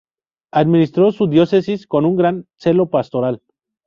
Administró su diócesis con un gran celo pastoral.